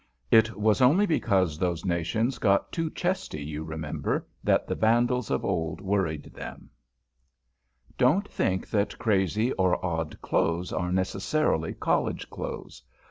It was only because those nations got too chesty, you remember, that the Vandals of old worried them. [Sidenote: CRAZY MEN CRAZY CLOTHES] Don't think that crazy or odd clothes are necessarily "College" clothes.